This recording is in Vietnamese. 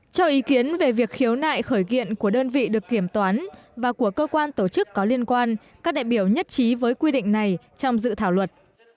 cho ý kiến về việc khiếu nại khởi kiện của đơn vị được kiểm toán và của cơ quan tổ chức có liên quan các đại biểu nhất trí với quy định này trong dự thảo luật